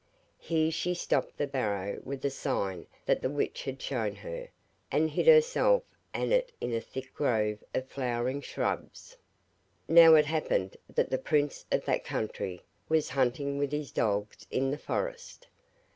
Here she stopped the barrow with a sign that the witch had shown her, and hid herself and it in a thick grove of flowering shrubs. Now it happened that the prince of that country was hunting with his dogs in the forest.